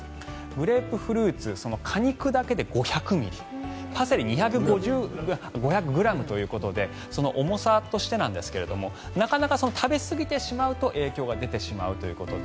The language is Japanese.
グレープフルーツ果肉だけで５００ｇパセリは２５０ｇ重さとしてなんですがなかなか食べ過ぎてしまうと影響が出てしまうということで。